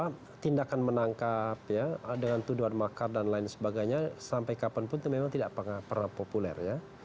karena tindakan menangkap ya dengan tuduhan makar dan lain sebagainya sampai kapanpun itu memang tidak pernah populer ya